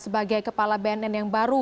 sebagai kepala bnn yang baru